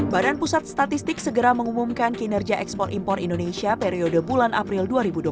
badan pusat statistik segera mengumumkan kinerja ekspor impor indonesia periode bulan april dua ribu dua puluh tiga